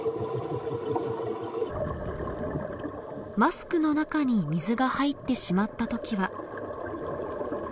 マスクの中に水が入ってしまったときは。